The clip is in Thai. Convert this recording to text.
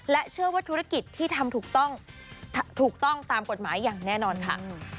เชื่อว่าธุรกิจที่ทำถูกต้องถูกต้องตามกฎหมายอย่างแน่นอนค่ะ